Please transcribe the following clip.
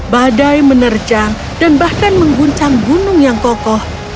badai menerjang dan bahkan mengguncang gunung yang kokoh